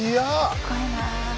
すごいな。